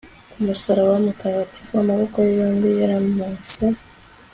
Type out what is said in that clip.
ku musaraba mutagatifu amaboko ye yombi yarambutse